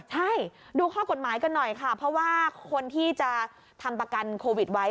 ใช่ดูข้อกฎหมายกันหน่อยค่ะเพราะว่าคนที่จะทำประกันโควิดไว้